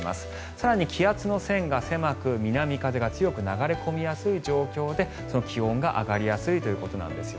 更に気圧の線が狭く南風が強く流れ込みやすい状況で気温が上がりやすいということなんです。